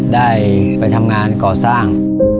ได้ไปทำงานก่อสร้าง